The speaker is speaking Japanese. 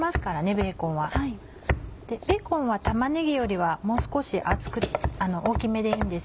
ベーコンは玉ねぎよりはもう少し大きめでいいんです。